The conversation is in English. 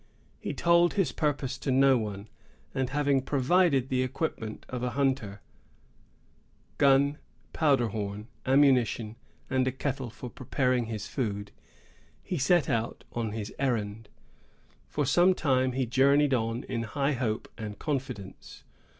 He told his purpose to no one, and having provided the equipments of a hunter,——gun, powder horn, ammunition, and a kettle for preparing his food,——he set out on his errand. For some time he journeyed on in high hope and confidence.